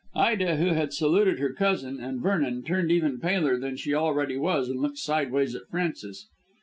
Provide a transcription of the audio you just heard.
Ida, who had saluted her cousin and Vernon, turned even paler than she already was and looked sideways at Frances.